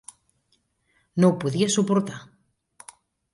No ho podia suportar.